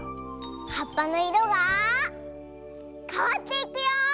はっぱのいろがかわっていくよ！